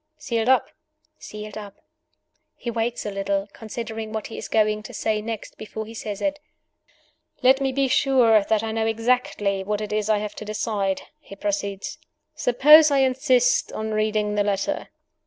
"Sealed up?" "Sealed up." He waits a little, considering what he is going to say next before he says it, "Let me be sure that I know exactly what it is I have to decide," he proceeds. "Suppose I insist on reading the letter